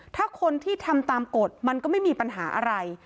ถ้าคนที่ทำตามกฎมันก็ไม่มีปัญหาอะไร